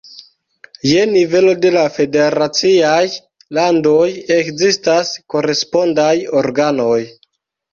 Je nivelo de la federaciaj landoj ekzistas korespondaj organoj.